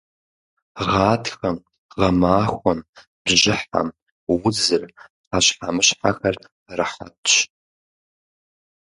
Гъатхэм, гъэмахуэм, бжьыхьэм удзыр, пхъэщхьэмыщхьэхэр пэрыхьэтщ.